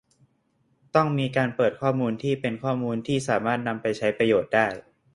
ต้องมีการเปิดข้อมูลที่เป็นข้อมูลที่สามารถนำไปใช้ประโยชน์ได้